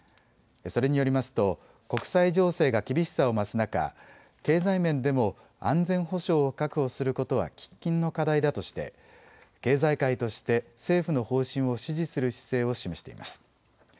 それによりますと国際情勢が厳しさを増す中、経済面でも安全保障を確保することは喫緊の課題だとして経済界として政府の方針を支持する姿勢を示しています。